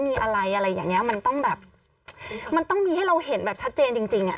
มีอะไรอะไรอย่างเงี้ยมันต้องแบบมันต้องมีให้เราเห็นแบบชัดเจนจริงจริงอ่ะ